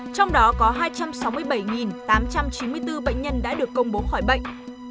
trong đó có hai trăm sáu mươi bảy tám trăm chín mươi bốn bệnh nhân đã được công bố khỏi bệnh